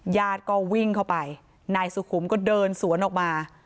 ญาติก็วิ่งเข้าไปนายสุขุมก็เดินสวนออกมา